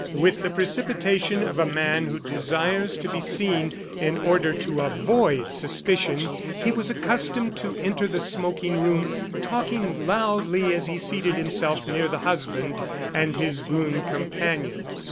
With the precipitation of a man who desires to be seen in order to avoid suspicion, he was accustomed to enter the smoking room talking loudly as he seated himself near the husband and his boon companions.